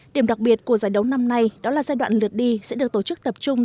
điểm đặc biệt của giải đấu năm nay đó là giai đoạn lượt đi sẽ được tổ chức tập trung